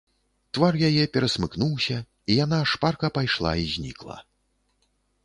Твар яе перасмыкнуўся, і яна шпарка пайшла і знікла.